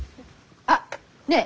あっねえ